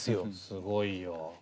すごいよ。